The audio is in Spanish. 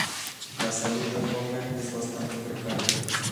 La salud de Homer es bastante precaria.